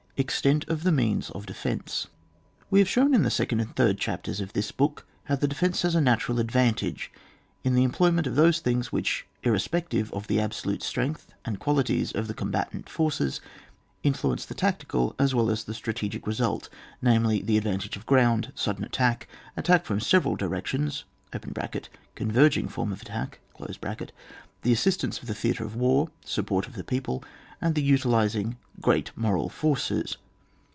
EXTENT OF THE MEANS OF DEFENCE. Wb have shown in the second and third chapters of this book how the defence has a natural advantage in the employ ment of those things, which, — ^irrespective of the absolute strength and qualities of the combatant force, — ^influence the tacti cal as well as the strategic result, namely, the advantage of ground, sudden attack, attack from several directions (conveig ing form of attack), the assistance of the theatre of war, support of the people, and the utilising great moral forces.